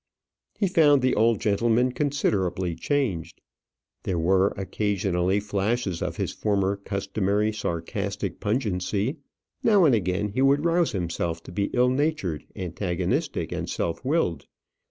He found the old gentleman considerably changed. There were, occasionally, flashes of his former customary, sarcastic pungency; now and again he would rouse himself to be ill natured, antagonistic, and self willed.